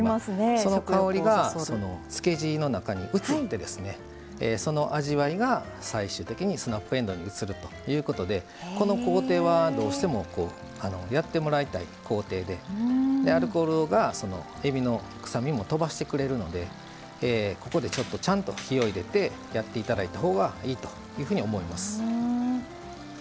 その香りがそのつけ地の中に移ってその味わいが最終的にスナップえんどうに移るということでこの工程はどうしてもやってもらいたい工程でアルコールがそのえびの臭みもとばしてくれるのでここでちょっとちゃんと火を入れてやっていただいたほうがいいというふうに思います。